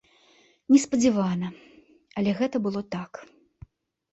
Неспадзявана, але гэта было так.